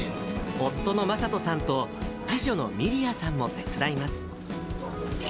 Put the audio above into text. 夫の昌人さんと次女のみりあさんも手伝います。